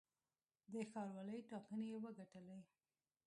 د ښاروالۍ ټاکنې یې وګټلې.